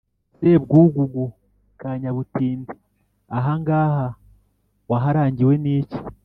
"sebwugugu, kanyabutindi ahangaha waharangiwe n' iki?